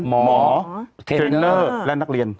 เทรนเนอร์และนักเรียน